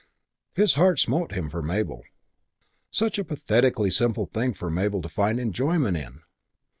His heart smote him for Mabel. Such a pathetically simple thing for Mabel to find enjoyment in!